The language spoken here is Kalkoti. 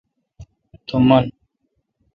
تو من